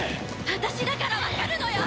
私だからわかるのよ！